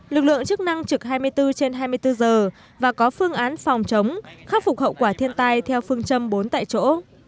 lực lượng chức năng trực hai mươi bốn trên hai mươi bốn giờ và có phương án phòng chống khắc phục hậu quả thiên tai theo phương châm bốn tại chỗ